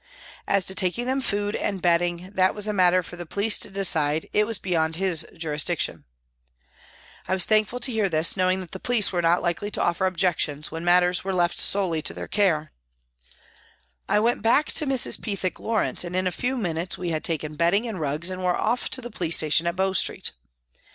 As to taking them food and bedding, that was a matter for the police to decide, it was beyond his jurisdiction. I was thankful to hear this, knowing that the police were not likely to offer * Afterwards Sir Curtis Bennett, who since died in 1913. 28 PRISONS AND PRISONERS objections when matters were left solely to their care. I went back to Mrs. Pethick Lawrence, and in a few minutes we had taken bedding and rugs and were off to the police station at Bow Street.